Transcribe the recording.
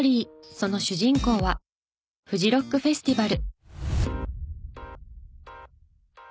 その主人公はフジロック・フェスティバル。